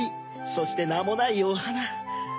そしてなもないおはな。